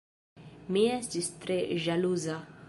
Mi estis tre ĵaluza!